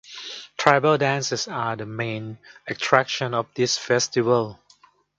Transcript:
Tribal dances are the main attraction of this festival.